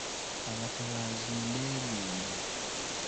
Abatabaazi mbeegoomba.